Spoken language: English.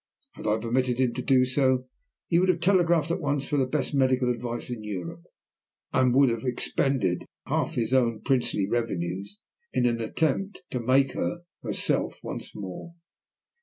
Had I permitted him to do so, he would have telegraphed at once for the best medical advice in Europe, and would have expended half his own princely revenues in an attempt to make her herself once more.